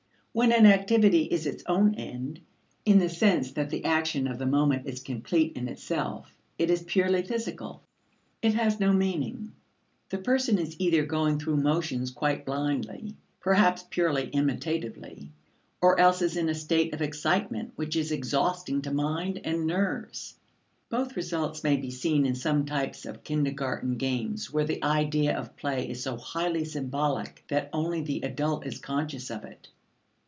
When an activity is its own end in the sense that the action of the moment is complete in itself, it is purely physical; it has no meaning (See p. 77). The person is either going through motions quite blindly, perhaps purely imitatively, or else is in a state of excitement which is exhausting to mind and nerves. Both results may be seen in some types of kindergarten games where the idea of play is so highly symbolic that only the adult is conscious of it.